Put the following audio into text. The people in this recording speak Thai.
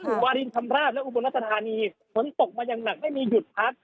วารินชำราบและอุบลรัชธานีฝนตกมาอย่างหนักไม่มีหยุดพัก